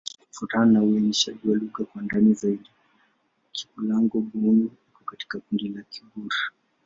Kufuatana na uainishaji wa lugha kwa ndani zaidi, Kikulango-Bouna iko katika kundi la Kigur.